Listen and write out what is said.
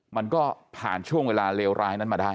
มันก็ผ่านช่วงเวลาเลวร้ายนั้นมาได้